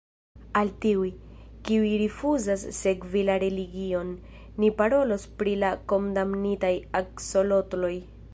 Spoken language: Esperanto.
"Al tiuj, kiuj rifuzas sekvi la religion, ni parolos pri la kondamnitaj aksolotloj."